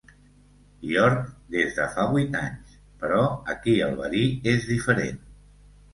York des de fa vuit anys, però aquí el verí és diferent.